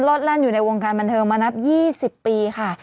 แล่นอยู่ในวงการบันเทิงมานับ๒๐ปีค่ะ